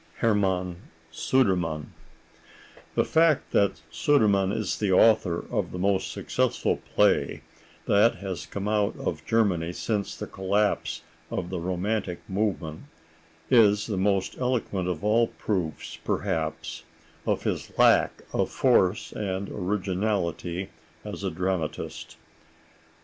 HERMANN SUDERMANN The fact that Sudermann is the author of the most successful play that has come out of Germany since the collapse of the romantic movement is the most eloquent of all proofs, perhaps, of his lack of force and originality as a dramatist.